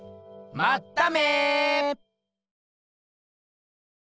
まっため！